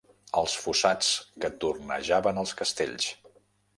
Els fossats que tornejaven els castells.